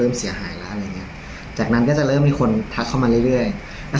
มีขู่มีอะไร